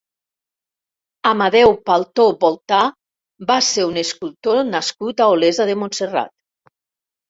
Amadeu Paltor Voltà va ser un escultor nascut a Olesa de Montserrat.